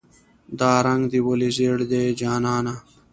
"دا رنګ دې ولې زیړ دی جانانه".